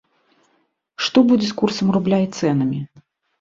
Што будзе з курсам рубля і цэнамі?